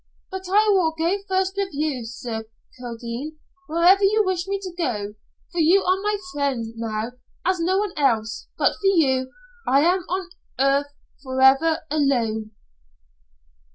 But I will go first with you, Sir Kildene, wherever you wish me to go. For you are my friend now, as no one else. But for you, I am on earth forever alone."